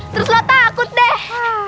terus lo takut deh